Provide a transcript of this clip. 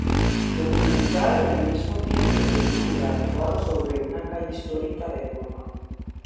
Documental y al mismo tiempo película actuada sobre una calle histórica de Roma.